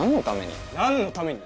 何のために？